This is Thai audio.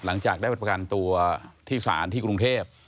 หลังจากได้ไปประกันตัวที่ศาลที่กรุงเทพ